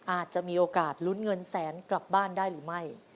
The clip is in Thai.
อาจจะมีโอกาสลุ้นเงินแสนกลับบ้านได้หรือไม่